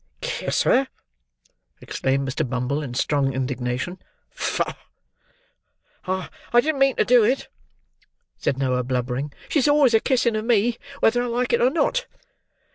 Kiss her!" exclaimed Mr. Bumble, in strong indignation. "Faugh!" "I didn't mean to do it!" said Noah, blubbering. "She's always a kissing of me, whether I like it, or not."